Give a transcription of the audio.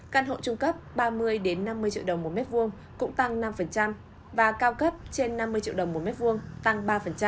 căn hộ trung cấp ba mươi năm mươi triệu đồng một mét vuông cũng tăng năm và cao cấp trên năm mươi triệu đồng một mét vuông tăng ba